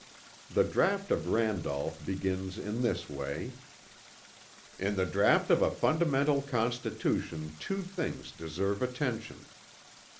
The draught of Randolph begins in this way: "In the draught of a fundamental constitution two things deserve attention: "1.